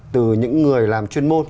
từ những người làm chuyên môn